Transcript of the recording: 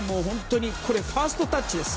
ファーストタッチです。